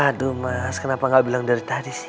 aduh mas kenapa gak bilang dari tadi sih